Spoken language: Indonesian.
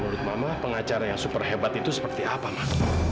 menurut mama pengacara yang super hebat itu seperti apa mas